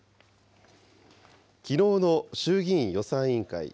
きのうの衆議院予算委員会。